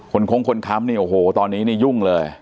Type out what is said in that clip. คนโค้งคนค้ำโอ้โหตอนนี้ยุ่งเลย